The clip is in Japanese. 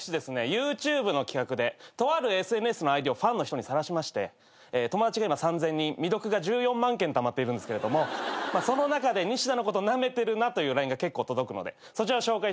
ＹｏｕＴｕｂｅの企画でとあるＳＮＳのＩＤをファンの人にさらしまして友達が今３，０００人未読が１４万件たまっているんですけれどもその中でニシダのことなめてるなというＬＩＮＥが結構届くのでそちらを紹介していきたいと思います。